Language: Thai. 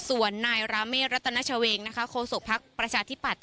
ส่วนนายราเมฆรัตนชเวงนะคะโคศกภักดิ์ประชาธิปัตย